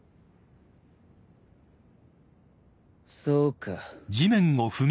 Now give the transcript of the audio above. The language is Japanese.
そうか。